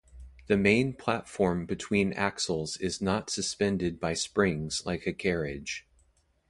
The main platform between axles is not suspended by springs like a carriage.